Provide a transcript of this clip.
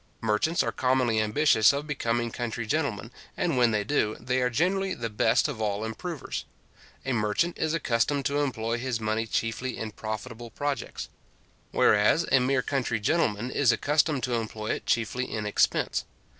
Merchants are commonly ambitious of becoming country gentlemen, and, when they do, they are generally the best of all improvers. A merchant is accustomed to employ his money chiefly in profitable projects; whereas a mere country gentleman is accustomed to employ it chiefly in expense.